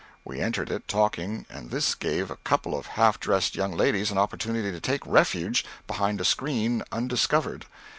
We entered it talking, and this gave a couple of half dressed young ladies an opportunity to take refuge behind a screen undiscovered.